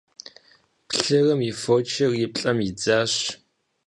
Плъырым и фочыр и плӀэм идзащ.